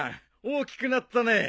大きくなったね。